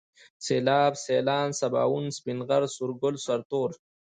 سيلاب ، سيلان ، سباوون ، سپين غر ، سورگل ، سرتور